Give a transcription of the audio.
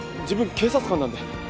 自分警察官なんで。